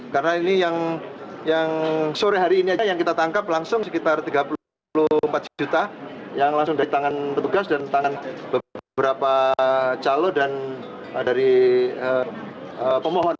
karena ini yang sore hari ini aja yang kita tangkap langsung sekitar rp tiga puluh empat juta yang langsung dari tangan petugas dan tangan beberapa calo dan dari pemohon